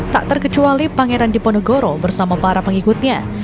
tak terkecuali pangeran diponegoro bersama para pengikutnya